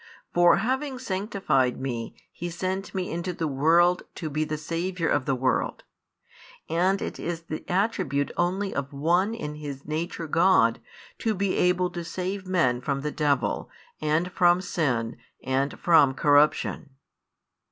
For having sanctified Me He sent Me into the world to be the Saviour of the |105 world; and it is the attribute only of One in His Nature God, to be able to save men from the devil and from sin and from corruption.